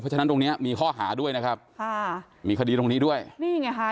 ฉะนั้นตรงเนี้ยมีข้อหาด้วยนะครับค่ะมีคดีตรงนี้ด้วยนี่ไงค่ะ